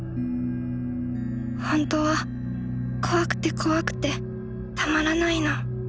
ほんとは怖くて怖くてたまらないの。